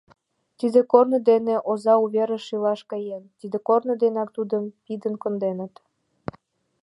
Тиде корно дене оза у верыш илаш каен, тиде корно денак тудым пидын конденыт.